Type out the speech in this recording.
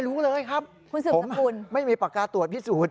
ไม่รู้เลยครับผมไม่มีปากกาตรวจพิสูจน์